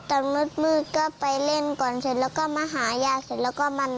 ตอนมืดก็ไปเล่นก่อนเสร็จแล้วก็มาหายาเสร็จแล้วก็มัน